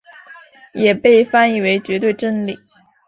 也被翻译为绝对真理。